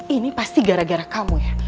ini pasti gara gara kamu ya